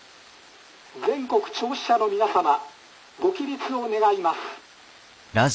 全国聴取者の皆様ご起立を願います」。